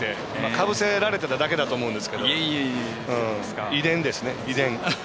かぶせられてただけだと思うんですけど遺伝ですね。